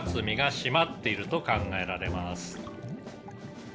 身が締まっていると考えられます」